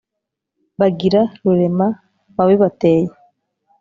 Bagira Rurema wabibateye